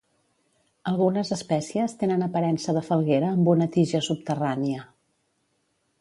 Algunes espècies tenen aparença de falguera amb una tija subterrània.